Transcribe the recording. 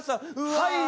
はい！